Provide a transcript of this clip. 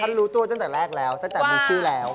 รู้ตัวตั้งแต่แรกแล้วตั้งแต่มีชื่อแล้ว